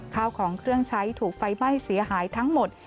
ข้าวของเครื่องใช้ถูกไฟไหม้เสียหายทั้งหมด